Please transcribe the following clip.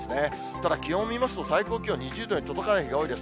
ただ気温見ますと、最高気温２０度に届かない日が多いです。